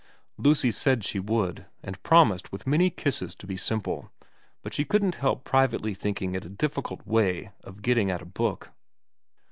Lucy said she would, and promised with many kisses to be simple, but she couldn't help privately thinking it a difficult way of getting at a book.